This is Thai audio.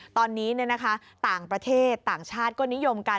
ตอนนี้ต่างประเทศต่างชาติก็นิยมกัน